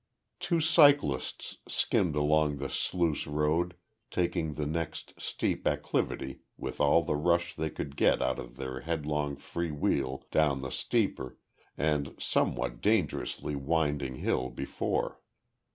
Two cyclists skimmed along the sluice road, taking the next steep acclivity with all the rush they could get out of their headlong free wheel down the steeper, and somewhat dangerously winding, hill before.